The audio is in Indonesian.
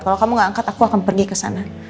kalau kamu gak angkat aku akan pergi kesana